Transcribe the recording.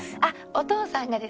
お父さんがです。